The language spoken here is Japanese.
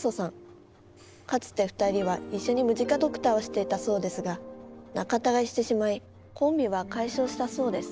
かつて２人は一緒にムジカドクターをしていたそうですが仲たがいしてしまいコンビは解消したそうです